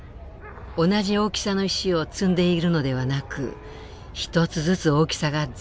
同じ大きさの石を積んでいるのではなく一つずつ大きさが全然違うのね。